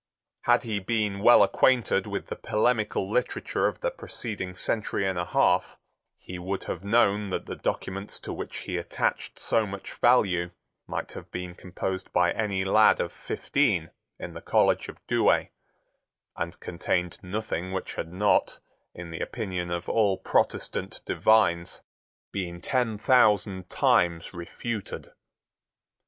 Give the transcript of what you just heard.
Had he been well acquainted with the polemical literature of the preceding century and a half, he would have known that the documents to which he attached so much value might have been composed by any lad of fifteen in the college of Douay, and contained nothing which had not, in the opinion of all Protestant divines, been ten thousand times refuted.